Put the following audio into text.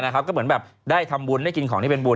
ก็เหมือนแบบได้ทำบุญได้กินของที่เป็นบุญ